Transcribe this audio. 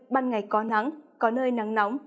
ban ngày có nắng có nơi nắng nóng